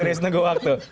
serius menunggu waktu